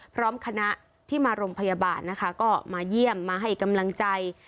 พร้อมคณะที่มาโรงพยาบาลนะคะก็มาเยี่ยมมาให้กำลังใจ